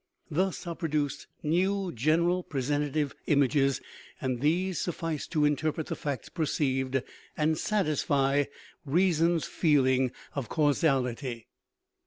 Thus are produced new general presentative images, and these suffice to interpret the facts perceived and satisfy "reason's feeling of causality."